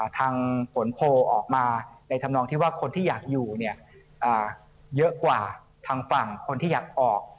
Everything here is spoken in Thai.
ทางผลโพลออกมาในธรรมนองที่ว่าคนที่อยากอยู่เนี่ยเยอะกว่าทางฝั่งคนที่อยากออก